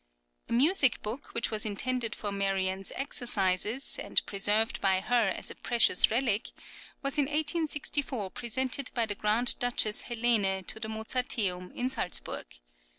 [10027] A music book which was intended for Marianne's exercises, and preserved by her as a precious relic, was in 1864 presented by the Grand Duchess Helene to the Mozarteum in Salzburg.